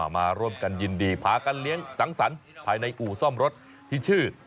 มาร่วมกันยินดีพากันเลี้ยงสังสรรค์ภายในอู่ซ่อมรถที่ชื่อ